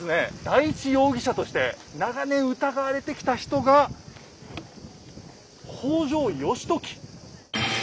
第１容疑者として長年疑われてきた人が北条義時。